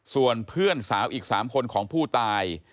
ส่วนเพื่อนสาวอีก๓คนของผู้ตาย